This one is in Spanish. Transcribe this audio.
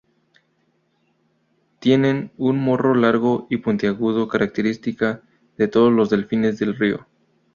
Tienen un morro largo y puntiagudo, característica de todos los delfines de río.